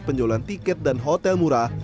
penjualan tiket dan hotel murah